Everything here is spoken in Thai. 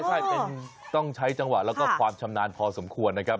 ใช่เป็นต้องใช้จังหวะแล้วก็ความชำนาญพอสมควรนะครับ